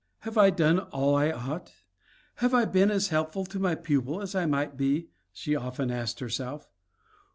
"Have I done all I ought? Have I been as helpful to my pupils as I might be?" she often asked herself.